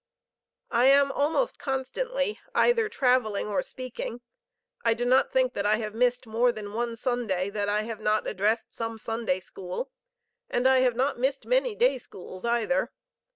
"I am almost constantly either traveling or speaking. I do not think that I have missed more than one Sunday that I have not addressed some Sunday school, and I have not missed many day schools either.